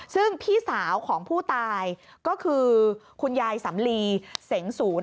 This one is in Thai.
ซึ่งพี่สาวของผู้ตายก็คือคุณยายสำลีเสงศูนย์